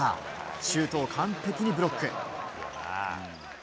シュートを完璧にブロック。